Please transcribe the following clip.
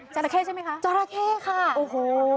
ราเข้ใช่ไหมคะจราเข้ค่ะโอ้โห